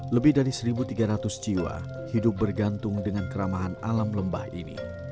lebih dari satu tiga ratus jiwa hidup bergantung dengan keramahan alam lembah ini